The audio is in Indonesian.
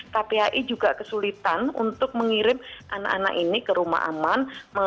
kpai juga kesulitan untuk mengirim anak anak ini ke rumah aman